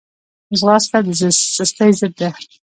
ځغاسته د سستۍ ضد ده